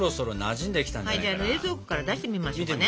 じゃあ冷蔵庫から出してみましょうかね。